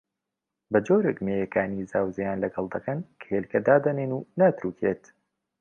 بەجۆرێک مێیەکانی زاوزێیان لەگەڵ دەکەن کە هێلکە دادەنێن و ناتروکێت